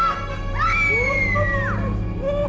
hiharu sep artwork dan menentukan kimia itu